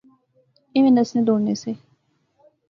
ایویں نسنے دوڑنے سے